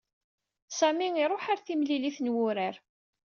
Sami i ṛuḥ ar timlilit n wurar.